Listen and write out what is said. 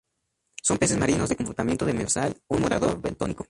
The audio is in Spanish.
Son peces marinos de comportamiento demersal, un morador bentónico.